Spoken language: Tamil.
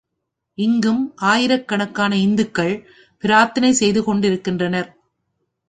இங்கும் ஆயிரக்கணக்கான இந்துக்கள் பிரார்த்தனை செய்து கொள்கின்றனர்.